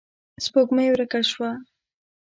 سپوږمۍ ورکه شوه.